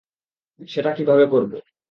সেটা কীভাবে করবো?